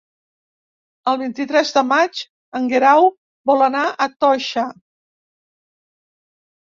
El vint-i-tres de maig en Guerau vol anar a Toixa.